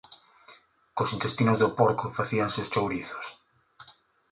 Cos intestinos do porco facíanse os chourizos.